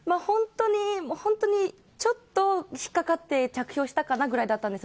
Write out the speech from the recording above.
本当にちょっと引っ掛かって着氷したかなぐらいだったんです